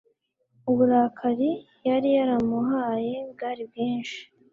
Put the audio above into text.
uburakari, yari yaramuhaye bwari bwinshi